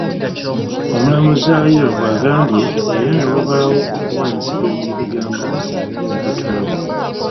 Omulamuzi Ayo bw’agambye era ne wabaawo okuwaanyisiganya ebigambo ne Kataabu.